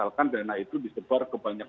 apalagi kalau misalkan dana itu disebar ke banyak